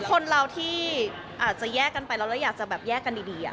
คนเราที่อาจจะแยกกันไปแล้วเราอยากจะแบบแยกกันดี